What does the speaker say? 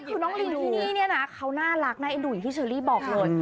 คือน้องลิงที่นี่เนี่ยนะเขาน่ารักน่าเอ็นดูอย่างที่เชอรี่บอกเลย